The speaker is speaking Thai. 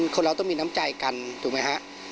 คนเราต้องมีน้ำใจกันถูกไหมฮะ